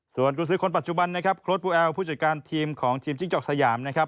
ส่วนกรุงสือคนปัจจุบันโคลดปุ๊วแอลผู้จัดการทีมของทีมจิ๊กจอกสยาม